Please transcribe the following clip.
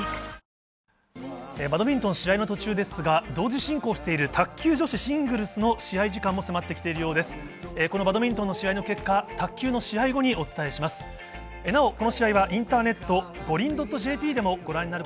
バドミントン試合の途中ですが、同時進行している卓球女子シングルスの試合時間も迫ってきて東京オリンピックを二十歳で迎える伊藤美誠。